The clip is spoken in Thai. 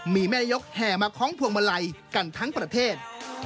มีแม่นายกแห่มาคล้องพวงมาลัยกันทั้งประเทศ